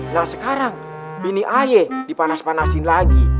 nah sekarang bini aye dipanas panasin lagi